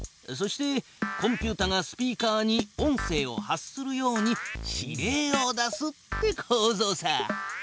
そしてコンピュータがスピーカーに音声を発するように指令を出すってこうぞうさ。